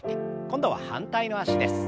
今度は反対の脚です。